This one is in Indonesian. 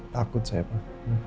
takut saya pak